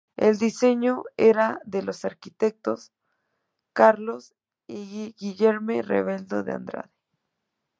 El diseño era de los arquitectos Carlos y Guilherme Rebelo de Andrade.